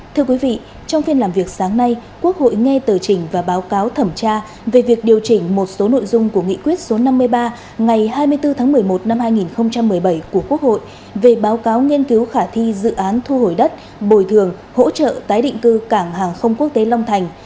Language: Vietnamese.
thưa quý vị trong phiên làm việc sáng nay quốc hội nghe tờ trình và báo cáo thẩm tra về việc điều chỉnh một số nội dung của nghị quyết số năm mươi ba ngày hai mươi bốn tháng một mươi một năm hai nghìn một mươi bảy của quốc hội về báo cáo nghiên cứu khả thi dự án thu hồi đất bồi thường hỗ trợ tái định cư cảng hàng không quốc tế long thành